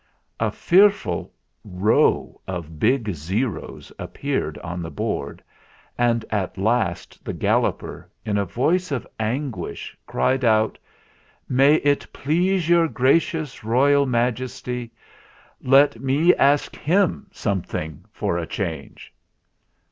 A fearful row of big O's appeared on the board, and at last the Galloper, in a voice of anguish, cried out : "May it please Your Gracious Royal Maj esty, let me ask him something for a change